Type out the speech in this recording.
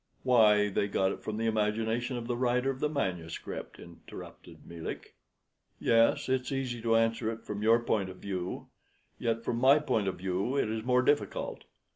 "Why, they got it from the imagination of the writer of the manuscript," interrupted Melick. "Yes, it's easy to answer it from your point of view; yet from my point of view it is more difficult.